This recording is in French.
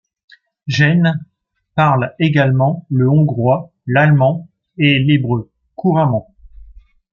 Gene parle également le hongrois, l'allemand et l'hébreu couramment.